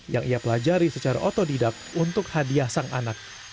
yang ia pelajari secara otodidak untuk hadiah sang anak